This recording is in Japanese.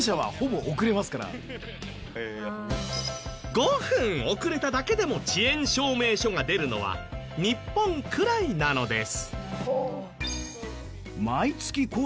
５分遅れただけでも遅延証明書が出るのは日本くらいなのです。